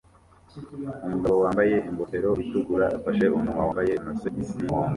Umugabo wambaye ingofero itukura afashe umwana wambaye amasogisi yumuhondo